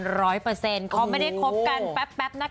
เขาไม่ได้คบกันแป๊บนะคะ